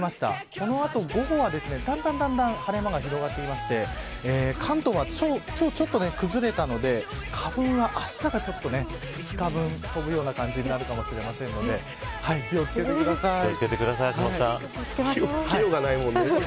この後、午後はだんだん晴れ間が広がってきまして関東は今日はちょっと崩れたので花粉はあしたが２日分、飛ぶような感じになるかもしれませんので気を付けてください気を付けようがないもんね。